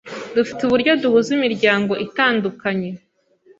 dufite uburyo duhuza imiryango itandukanye